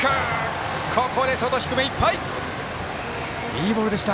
いいボールでした。